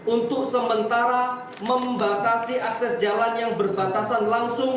untuk sementara membatasi akses jalan yang berbatasan langsung